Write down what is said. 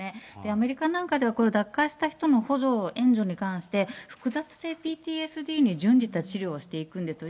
アメリカなんかでは、脱会した人の補助、援助に関して、複雑性ＰＴＳＤに準じた治療をしていくんです。